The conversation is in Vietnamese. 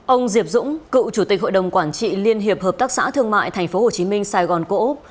ông diệp dũng cựu chủ tịch hội đồng quản trị liên hiệp hợp tác xã thương mại tp hcm sài gòn cổ úc